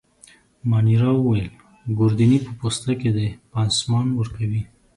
مانیرا وویل: ګوردیني په پوسته کي دی، پاسمان ورکوي.